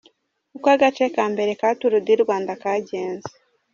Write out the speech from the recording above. Uko agace ka Mbere ka Tour du Rwanda kagenze.